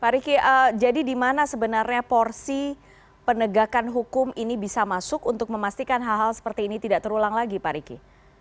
pak riki jadi di mana sebenarnya porsi penegakan hukum ini bisa masuk untuk memastikan hal hal seperti ini tidak terulang lagi pak riki